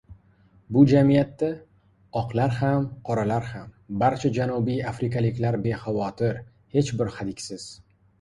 Bu jamiyatda oqlar ham, qoralar ham — barcha janubiy afrikaliklar bexavotir, hech bir hadiksiz